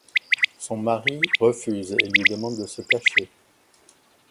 Son mari refuse et lui demande de se cacher...